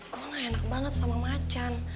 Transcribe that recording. pokoknya enak banget sama macan